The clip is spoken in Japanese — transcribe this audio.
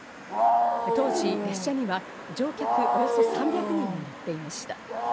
当時列車には、乗客およそ３００人が乗っていました。